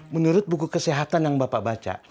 menurut buku kesehatan yang bapak baca